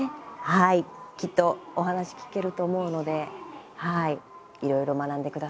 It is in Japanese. きっとお話聞けると思うのではいいろいろ学んでください。